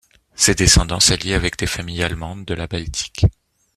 Ses descendants s'allient avec des familles allemandes de la Baltique.